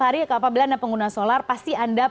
hari apabila anda pengguna solar pasti anda